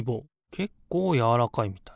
けっこうやわらかいみたい。